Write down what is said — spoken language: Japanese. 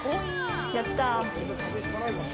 やったぁ。